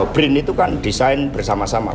brin itu kan desain bersama sama